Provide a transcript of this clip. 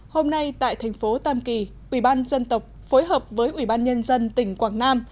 hôm nay tại thành phố tam kỳ ủy ban dân tộc phối hợp với ủy ban nhân dân tỉnh quảng nam